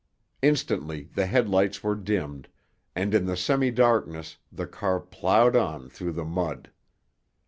Instantly the headlights were dimmed, and in the semidarkness the car plowed on through the mud.